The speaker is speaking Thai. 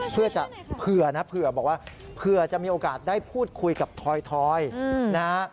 เพื่อจะเผื่อนะเผื่อบอกว่าเผื่อจะมีโอกาสได้พูดคุยกับทอยนะฮะ